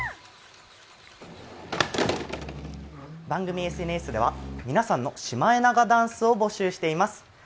番組ＳＮＳでは皆さんのシマエナガダンスを募集しています。